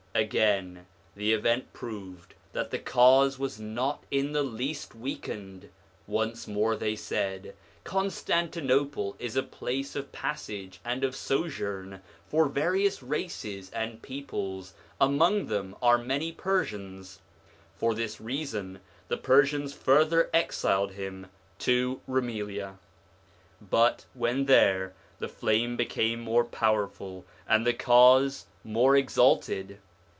Again the event proved that the Cause was not in the least weakened; once more they said, 'Constantinople is a place of passage and of sojourn for various races and peoples, among them are many Persians/ For this reason the Persians further exiled him to Roumelia ; but, when there, the flame became more powerful, and the Cause more exalted.